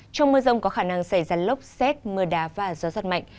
trong mưa rông có khả năng xảy ra lốc xét mưa đá và gió giật mạnh